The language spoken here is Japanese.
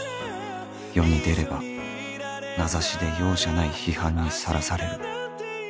世に出れば名指しで容赦ない批判にさらされる